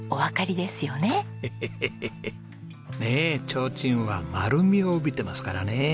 提灯は丸みを帯びてますからね。